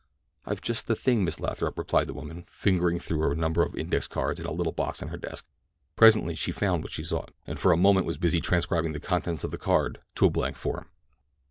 "I've just the thing, Miss Lathrop," replied the woman, fingering through a number of index cards in a little box on her desk. Presently she found what she sought, and for a moment was busy transcribing the contents of the card to a blank form.